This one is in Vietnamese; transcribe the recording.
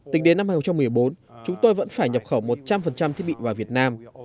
tính đến năm hai nghìn một mươi bốn chúng tôi vẫn phải nhập khẩu một trăm linh thiết bị vào việt nam